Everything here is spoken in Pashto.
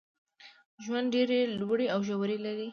ژوند ډېري لوړي او ژوري لري.